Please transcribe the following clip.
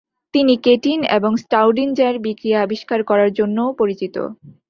তিনি কেটিন এবং স্টাউডিঞ্জার বিক্রিয়া আবিষ্কার করার জন্যও পরিচিত।